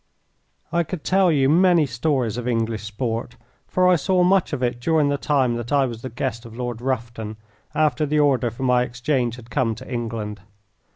I could tell you many stories of English sport, for I saw much of it during the time that I was the guest of Lord Rufton, after the order for my exchange had come to England.